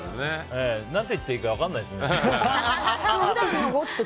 何て言っていいか分からないですね。